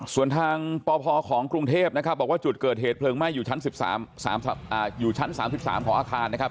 ส่วนทางปพของกรุงเทพนะครับบอกว่าจุดเกิดเหตุเพลิงไหม้อยู่ชั้นอยู่ชั้น๓๓ของอาคารนะครับ